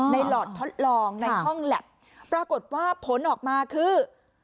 หลอดทดลองในห้องแล็บปรากฏว่าผลออกมาคือ